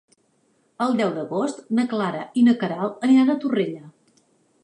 El deu d'agost na Clara i na Queralt aniran a Torrella.